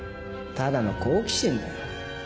ただの好奇心だよ。